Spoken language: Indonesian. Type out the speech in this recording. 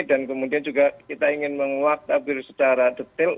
dan kemudian juga kita ingin menguak tabir secara detail